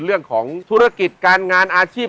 เรื่องของธุรกิจการงานอาชีพ